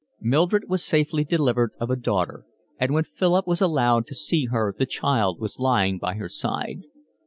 Mildred was safely delivered of a daughter, and when Philip was allowed to see her the child was lying by her side.